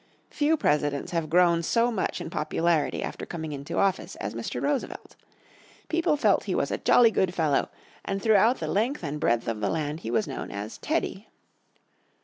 Few Presidents have grown so much in popularity after coming into office as Mr. Roosevelt. People felt he was a jolly good fellow, and throughout the length and breadth of the land he was known as "Teddy."